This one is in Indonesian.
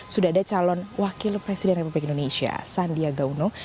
sudah ada calon wakil presiden republik indonesia sandiaga uno